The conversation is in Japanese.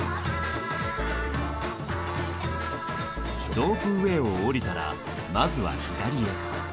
ロープウェイを降りたらまずは左へ。